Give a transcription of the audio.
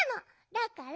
だから。